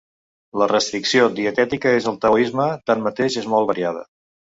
La restricció dietètica en el taoisme, tanmateix, és molt variada.